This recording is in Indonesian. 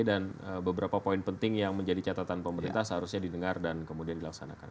dan beberapa poin penting yang menjadi catatan pemerintah seharusnya didengar dan kemudian dilaksanakan